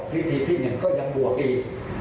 วิธีที่หนึ่งก็ยังบวกอีก